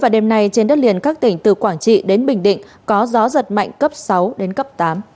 đêm nay trên đất liền các tỉnh từ quảng trị đến bình định có gió giật mạnh cấp sáu đến cấp tám